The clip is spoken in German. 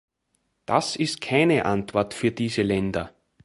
Das ist keine Antwort für diese Länder.